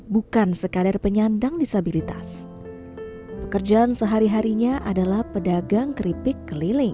bukan sekadar penyandang disabilitas pekerjaan sehari harinya adalah pedagang keripik keliling